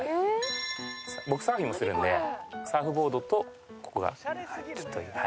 僕サーフィンもするんでサーフボードとここが木という。